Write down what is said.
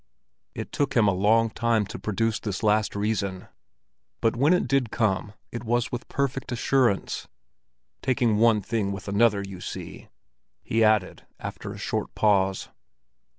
It took him a long time to produce this last reason, but when it did come it was with perfect assurance. "Taking one thing with another, you see," he added, after a short pause.